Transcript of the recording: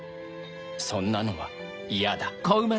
そんなのはいやだ。